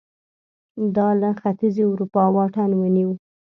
دا له ختیځې اروپا واټن ونیو